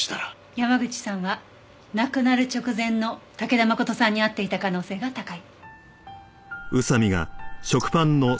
山口さんは亡くなる直前の武田誠さんに会っていた可能性が高い。